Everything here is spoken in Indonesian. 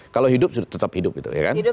kalau hidup sudah tetap hidup gitu ya kan